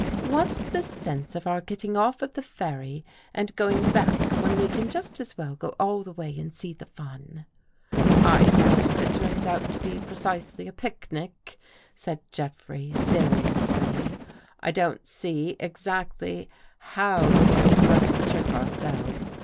" What's the sense of our getting off at the ferry and going back when we can just as well go all the way and see the fun ?"" I doubt if it turns out to be precisely a picnic," said Jeffrey seriously. " I don't see exactly how 203 THE GHOST GIRL weVe going to work the trick ourselves.